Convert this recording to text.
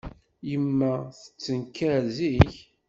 Yemma tettenkar zik.